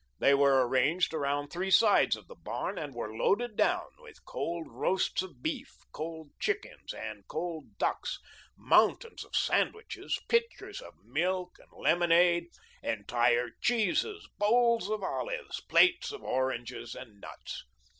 They were arranged around three sides of the barn and were loaded down with cold roasts of beef, cold chickens and cold ducks, mountains of sandwiches, pitchers of milk and lemonade, entire cheeses, bowls of olives, plates of oranges and nuts.